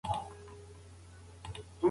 تاريخي واقعيتونه زموږ د پوهې بنسټ جوړوي.